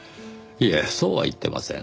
いえそうは言ってません。